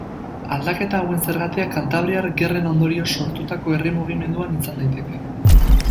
Aldaketa hauen zergatia Kantabriar Gerren ondorioz sortutako herri-mugimenduan izan daiteke.